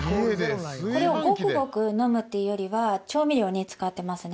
これをゴクゴク飲むっていうよりは調味料に使ってますね